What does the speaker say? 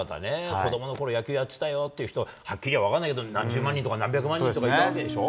子どものころ、野球やってたよっていう方、はっきりは分からないけど、何十万人とか何百万人とかいたわけでしょ。